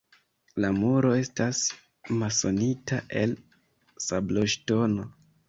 La muro estas masonita el sabloŝtono.